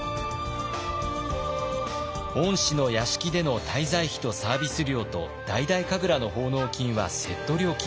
御師の屋敷での滞在費とサービス料と大々神楽の奉納金はセット料金。